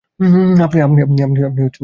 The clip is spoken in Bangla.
আপনি তাঁর বন্ধু।